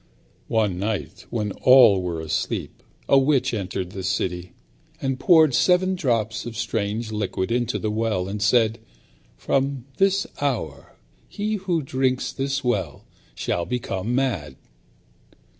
One night when all were asleep, a witch entered the city, and poured seven drops of strange liquid into the well, and said, "From this hour he who drinks this water shall become mad."